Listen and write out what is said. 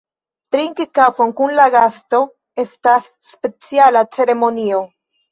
Trinki kafon kun la gasto estas speciala ceremonio.